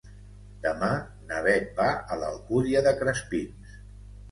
Demà na Beth va a l'Alcúdia de Crespins.